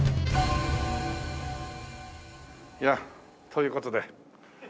いやという事で。